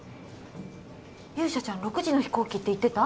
勇者ちゃん６時の飛行機って言ってた？